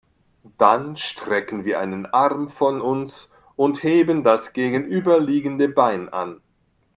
Dann strecken wir einen Arm von uns und heben das gegenüberliegende Bein an.